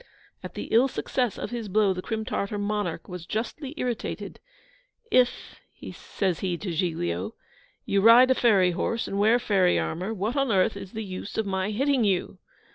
At the ill success of his blow the Crim Tartar monarch was justly irritated. 'If,' says he to Giglio, 'you ride a fairy horse, and wear fairy armour, what on earth is the use of my hitting you?